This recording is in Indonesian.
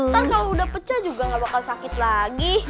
kan kalau udah pecah juga gak bakal sakit lagi